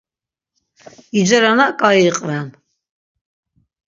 İcerana ǩai iqven.